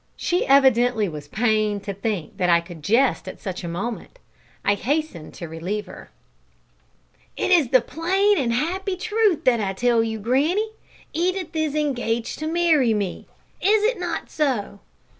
She evidently was pained to think that I could jest at such a moment. I hastened to relieve her. "It is the plain and happy truth that I tell you, granny. Edith is engaged to marry me. Is it not so?"